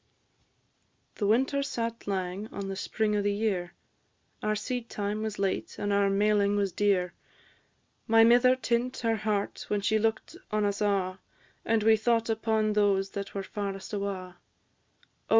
The winter sat lang on the spring o' the year, Our seedtime was late, and our mailing was dear; My mither tint her heart when she look'd on us a', And we thought upon those that were farest awa'.